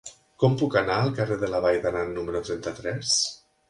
Com puc anar al carrer de la Vall d'Aran número trenta-tres?